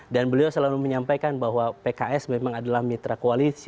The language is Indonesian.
dan beliau selalu menyampaikan bahwa pks memang adalah mitra koalisi